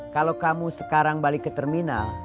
kalau kamu sekarang balik ke terminal